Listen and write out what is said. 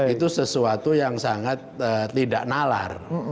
itu sesuatu yang sangat tidak nalar